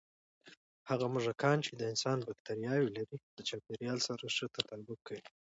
هغه موږکان چې د انسان بکتریاوې لري، د چاپېریال سره ښه تطابق کوي.